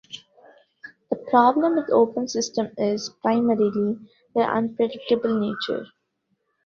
The problem with Open Systems is, primarily, their unpredictable nature.